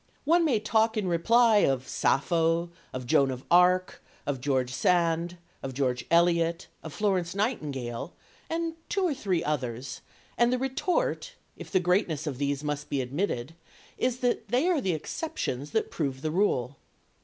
One may talk in reply of Sappho, of Joan of Arc, of George Sand, of George Eliot, of Florence Nightingale, and two or three others, and the retort, if the greatness of these be admitted, is that they are the exceptions that "prove" the rule.